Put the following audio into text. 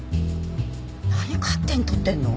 何勝手に撮ってんの？